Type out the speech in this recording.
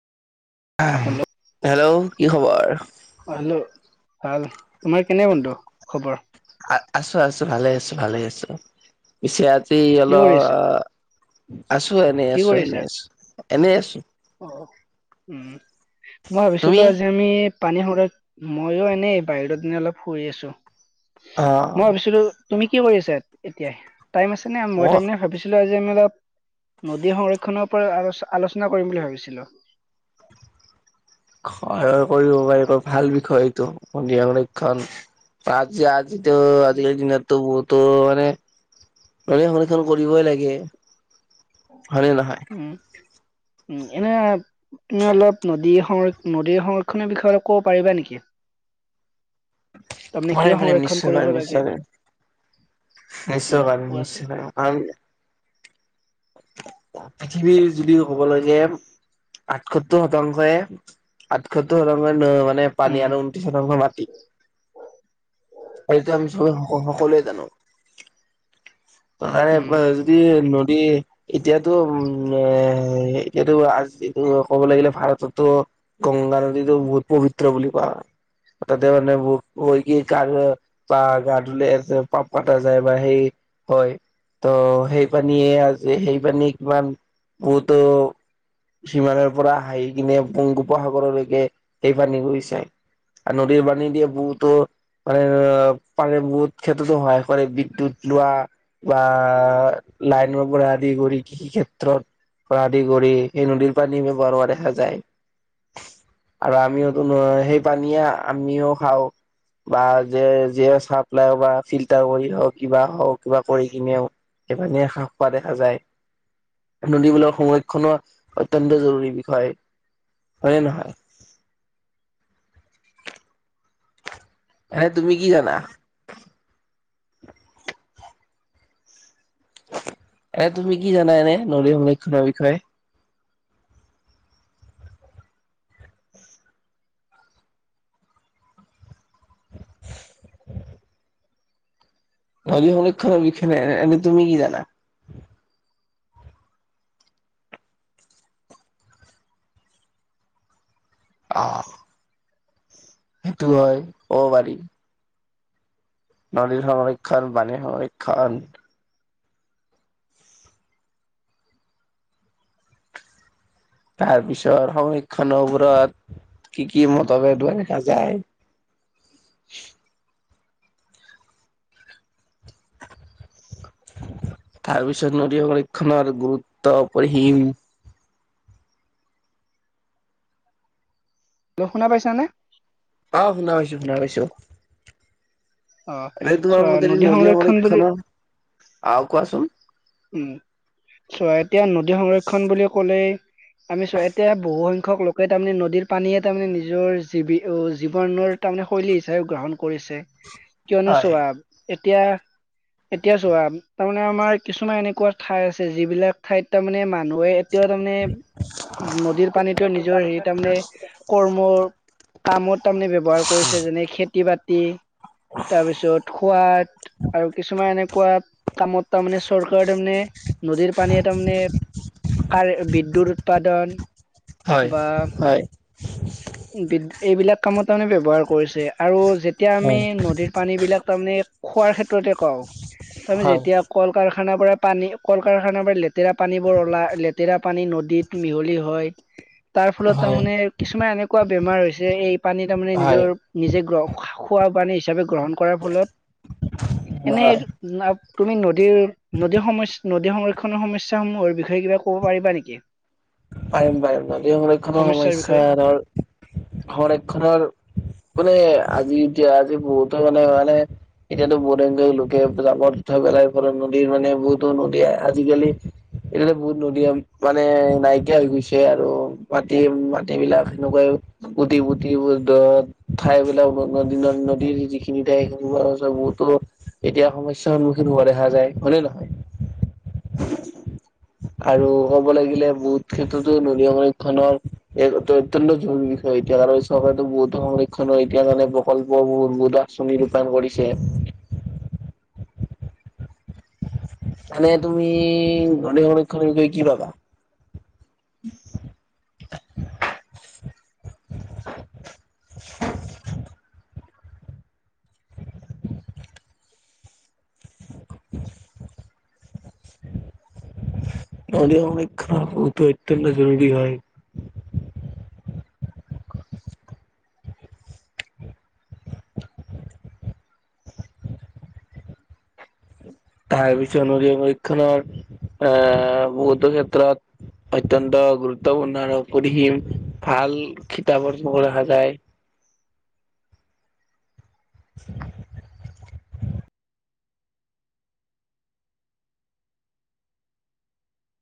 Hello কি? খবৰ? অ' হেল্ল' ভাল? তোমাৰ কেনে? বন্ধু খবৰ? আ-আছো, আছো, ভালে আছো। ভালে আছো। পিছে আজি কি কৰি অলপ আছা [inaudible] আছো এনেই কি আছো, এনে কৰিছা আছো। এনে আছো। অ উম। মই ভাবিছিলো তুমি? আজি আমি, পানী সৰা ময়ো এনেই বাহিৰত এনেই অলপ ফূৰি আছোঁ । অ মই ভাবিছিলো তুমি কি কৰি আছা? এতিয়াই? টাইম আছে নে মই তাৰমানে ভাবিছিলো, ট আজি আমি অলপ। নদীৰ সংৰক্ষণৰ ওপৰত আচ আলোচনা কৰিম বুলি ভাবিছিলো । হয় কৰিব পাৰিব ভাল বিষয় এইটো নদীৰ সংৰক্ষণ এইটো আজিকালিৰ দিনতো বহুত। ত' মানে মানে সংৰক্ষণ কৰিবই লাগে। হয়নে নহয়। উ এনে তুমি অলপ নদী সংৰ নদীৰ সংৰক্ষণৰ বিষয়ে অলপ ক'ব পাৰিবা নেকি? তাৰমানে কিয় পাৰিম পাৰিম সংৰক্ষণ নিশ্চয় কৰিব পাৰিম লাগে নিশ্চয় পাৰিম নিশ্চয় উম পাৰিম কোৱাচোন নিশ্চয় পাৰিম, কাৰণ - পৃথিৱীৰ যদি ক'ব লাগে আঠসত্তৰ শতাংশই আঠসত্তৰ শতাংশই ন মান। মানে পানী উম আৰু ঊনতিশ শতাংশ মাটি । সেইটো আমি চবেই সকলোৱে জানো । তাৰে উম পৰা যদি। কি এতিয়াতো উম এ এতিয়াতো আজিটো ক'ব লাগিলে ভাৰততো গংগা নদীতো বহুত পবিত্ৰ বুলি কোৱা হয় তাতে মানে বহুতে কয় কি‌। গা‌ ধুলে বা গা ধুলে আছে পাপ কটা যায় বা সেই হয় ত সেই পানীয়ে আজ সেই পানী কিমান বহুতো সিমানৰ পৰা হাহি কিনে বংগোপসাগৰলৈকে সেই পানী গৈ চাই আৰু নদীৰ পানী দিয়ে বহুতো? মানে পানীৰ বহুত ক্ষেত্ৰতো সহায় কৰে বিদ্যুত লোৱা বা লাইনৰ পৰা আদি কৰি কৃষি ক্ষেত্ৰত পৰা আদি কৰি সেই নদীৰ পানী ব্যৱহাৰ কৰা দেখা যায় আৰু আমিওতো সেই পানীয়ে আমিও খাওঁ । বা য য চাপ্লাই বা ফিল্টাৰ কৰি হওক কিবা হওক কিবা কৰি কিনেও সেই পানীয়ে হ্ৰাস খোৱা দেখা যায় নদীবোৰৰ সংৰক্ষণো অত্যন্ত জৰুৰী বিষয় হয়নে নহয়? হে তুমি কি জানা? এ তুমি কি জানা এনে নদী সংৰক্ষণৰ বিষয়ে? [inaudible] নদী সংৰক্ষণৰ বিষয়ে এ তুমি কি জানা? আহ সেইটো হয় অ বাৰী। নদীৰ সংৰক্ষণ, পানীৰ সংৰক্ষণ, তাৰ পিছৰ সংৰক্ষণবোৰত কি কি মতভেদো দেখা যায় । তাৰপিছত নদী সংৰক্ষণৰ গুৰুত্ব পৰিসীম, শুনা পাইছানে? অ শুনা পাইছো, শুনা পাইছো, অ এনে তোমাৰ চোৱা মতে নদী সংৰক্ষণ বুলি সংৰক্ষণৰ আহ কোৱাচোন? উম চ এতিয়া নদী সংৰক্ষণ বুলি ক'লেই। আমি চোৱা এতিয়া বহু সং। শিক্ষক লোকে তাৰমানে নদীৰ পানীয়ে তাৰমানে নিজৰ জীৱ জীৱনৰ তাৰমানে শৈলী হিচাপে গ্ৰহণ কৰিছে । কিয়নো হয় স্বোৱাব। এতিয়া এতিয়া চোৱা তাৰমানে আমাৰ। কিছুমান এনেকুৱা ঠাই আছে যিবিলাক ঠাইত তাৰমানে ম। নোৱে এতিয়াও তামানে নদীৰ পানীতো নিজৰ হেৰি তামানে কৰ্মৰ কামত তামানে ব্যৱহাৰ কৰিছে। যেনে খেতি বাতি তাৰপিছত খোৱাত আৰু কিছুমানে এনেকুৱাত কামত তামানে কাৰে বিদ্যুৎ উৎপাদন হয় বা হয় বি এইবিলাক কামত তামানে ব্যৱহাৰ কৰিছে আৰু যেতিয়া আমি নদীৰ পানীবিলাক তামানে খোৱাৰ ক্ষে ত্ৰতে কওঁ, ত আমি হয় যেতিয়া কল কাৰ খানাৰ পৰা পানী কল কাৰখানাৰ পৰা লে লেতেৰা পানী বোৰ ওলাই লে তেৰা পানী নদীত মিহলি হয়। তাৰ ফলত হয় তামানে কিছুমান এনেকুৱা বেমাৰ হৈছে এই পানী তামানে হয়। নিজৰ নিজে গ্ৰ খোৱা পানী হিচাপে গ্ৰহণ কৰাৰ ফলত এনে ন তুমি নদীৰ নদী সমস্য নদী সংৰক্ষণৰ সমস্যাসমূহৰ বিষয়ে কিবা ক'ব পাৰিবা নেকি? পাৰিম পাৰিম নদী সংৰক্ষণৰ সমস্যাৰ বিষয়ে? সমস্যা ধৰ সংৰক্ষণৰ মানে আজি এতিয়া আজি বহুতো মানে মানে এতিয়াতো বহুত সংখ্যক লোকে জাবৰ- জোথৰ পেলাই প নদীৰ মানে বহুতো নদী আজিকালি এইবিলাক বহুত নদী মানে নাইকি কিয়া হৈ গৈছে আৰু মাটি মাটি বিলাক সেনেকুৱাই গুটি পুটি বোৰ দঁ। ঠাইবিলাক ন ন নদীৰ যিখিনি ঠাই সেইখিনি বহুতো এতিয়া সমস্যাৰ সন্মুখীন হোৱা দেখা যায় হয়নে নহয়? আৰু ক'ব লাগিলে বহুত ক্ষেত্ৰতো নদী সংৰক্ষণৰ এক অ অত্যন্ত জৰুৰী বিষয় এতিয়া কাৰণ চৰকাৰো বহুত সংৰক্ষণ এতিয়া কাৰণে প্ৰকল্প বোৰ বহুতো আঁচনি ৰূপায়ন কৰিছে। মানে তুমি নদী সংৰক্ষণ কৰি কি পাবা? [inaudible] নদী সংৰক্ষণ বহুতো অত্যন্ত জৰুৰী হয়। তাৰপিছত নদী সংৰক্ষণৰ এ বহুতো ক্ষেত্ৰত অত্যন্ত গুৰুত্বপূৰ্ণ আৰু অপৰিসীম ভাল খিতাপৰ পোহৰ দেখা যায়। [inaudible]